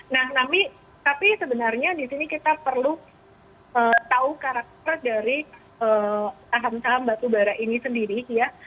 nah tapi sebenarnya di sini kita perlu tahu karakter dari saham saham batubara ini sendiri ya